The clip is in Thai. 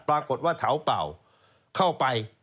ปรากฏว่าเถาเป่าเข้าไป